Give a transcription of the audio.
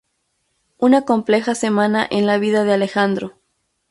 Una compleja semana en la vida de Alejandro.